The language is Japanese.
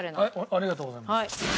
ありがとうございます。